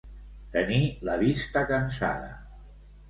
Tenir la vista cansada.